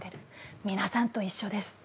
みなさんと一緒です。